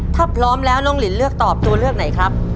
ถ้าพร้อมแล้วน้องลินเลือกตอบตัวเลือกไหนครับ